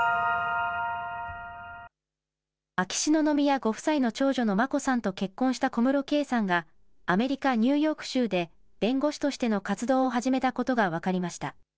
秋篠宮ご夫妻の長女の眞子さんと結婚した小室圭さんが、アメリカ・ニューヨーク州で弁護士としての活動を始めたことが分かりました。